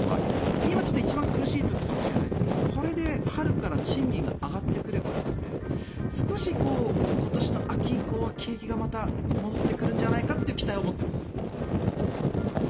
今、ちょっと一番苦しい時かもしれませんがこれで春から賃金が上がってくれば少し今年の秋以降は景気がまた戻ってくるんじゃないかという期待を持っています。